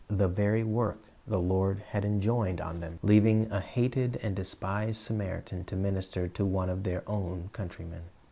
the very work the Lord had enjoined on them, leaving a hated and despised Samaritan to minister to one of their own countrymen.